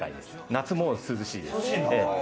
夏も涼しいです。